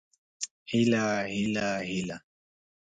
هيله هيله هيله